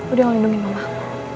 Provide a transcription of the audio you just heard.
udah ngelindungi mamah